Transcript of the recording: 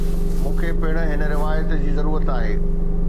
مون کي پڻ هڪ روايت جي ضرورت آهي.